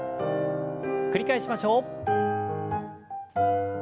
繰り返しましょう。